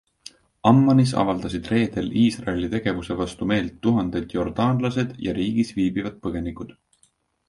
Ammanis avaldasid reedel Iisraeli tegevuse vastu meelt tuhanded jordaanlased ja riigis viibivad põgenikud.